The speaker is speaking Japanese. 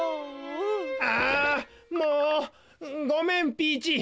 ああもうごめんピーチー。